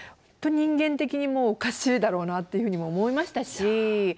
人間的にもうおかしいだろうなっていうふうにも思いましたし。